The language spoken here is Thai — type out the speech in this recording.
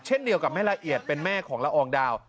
เช่นเดียวกับแม่ละเอียดเป็นแม่ของละอองดาว